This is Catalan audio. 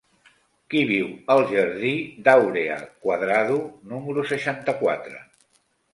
Qui viu al jardí d'Áurea Cuadrado número seixanta-quatre?